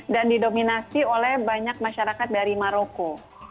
dan didominasi oleh banyak masyarakat dari maroko